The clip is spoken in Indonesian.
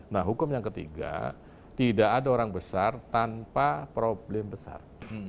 nah hukum yang ketiga tidak ada orang besar tanpa problem besar